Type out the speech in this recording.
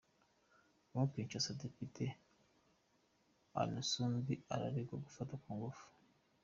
kongo Kinshasa Depite Onusumbi araregwa gufata ku ngufu